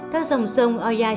các dòng sông oyashi